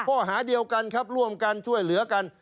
ข้อหาเดียวกันครับร่วมกันช่วยเหลือกัน